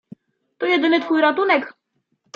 "To jedyny twój ratunek."